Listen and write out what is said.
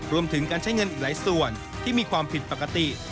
รวมถึงการใช้เงินอีกหลายส่วนที่มีความผิดปกติ